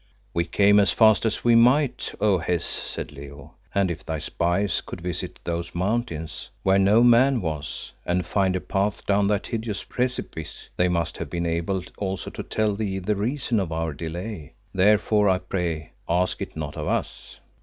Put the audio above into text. "We came as fast as we might, O Hes," said Leo; "and if thy spies could visit those mountains, where no man was, and find a path down that hideous precipice, they must have been able also to tell thee the reason of our delay. Therefore I pray, ask it not of us."